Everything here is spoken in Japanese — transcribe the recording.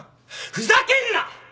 ふざけんな！